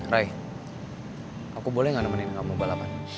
rai aku boleh gak nemenin kamu balapan